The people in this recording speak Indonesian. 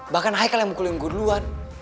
bahkan haikal yang mukulin gue duluan